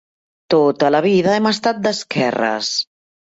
Tota la vida hem estat d'esquerres.